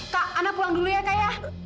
kak anda pulang dulu ya kak ya